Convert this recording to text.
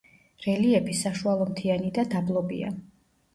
რელიეფი საშუალომთიანი და დაბლობია.